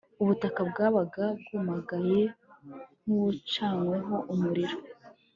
Ubutaka bwabaga bwumagaye nkubucanyweho umuriro